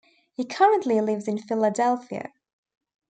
He currently lives in Philadelphia.